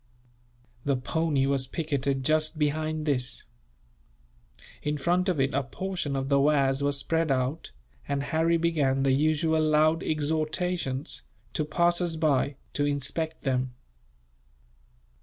The pony was picketed just behind this. In front of it a portion of the wares was spread out, and Harry began the usual loud exhortations, to passers by, to inspect them.